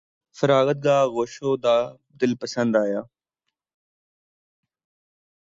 فراغت گاہ آغوش وداع دل پسند آیا